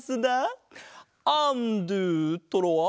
アンドゥトロワ。